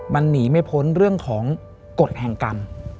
มันหนีไม่พ้นเรื่องของกฎแห่งกรรม